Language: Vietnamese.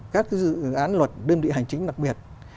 các dự án luật đơn vị hành chính đặc biệt